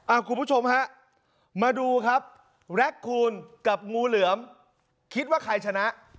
คุณผู้ชมฮะมาดูครับแร็กคูณกับงูเหลือมคิดว่าใครชนะ